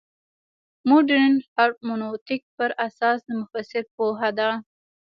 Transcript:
مډرن هرمنوتیک پر اساس د مفسر پوهه ده.